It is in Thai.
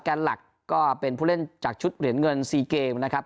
หลักก็เป็นผู้เล่นจากชุดเหรียญเงิน๔เกมนะครับ